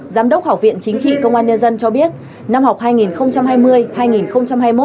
giám đốc học viện chính trị công an nhân dân cho biết năm học hai nghìn hai mươi hai nghìn hai mươi một